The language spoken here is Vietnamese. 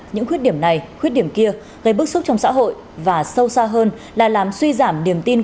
những khuyết điểm này khuyết điểm kia gây bức xúc trong xã hội